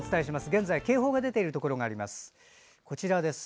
現在、警報が出ているところがあります。